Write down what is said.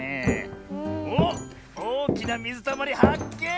おっおおきなみずたまりはっけん！